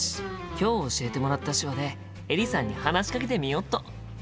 今日教えてもらった手話でエリさんに話しかけてみよっと！